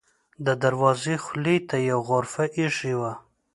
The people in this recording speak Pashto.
د دروازې خولې ته یوه غرفه اېښې وه.